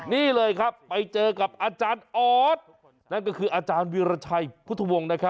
นี่เลยครับไปเจอกับอาจารย์ออสนั่นก็คืออาจารย์วิราชัยพุทธวงศ์